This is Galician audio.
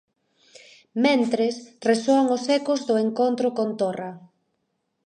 Mentres, resoan os ecos do encontro con Torra.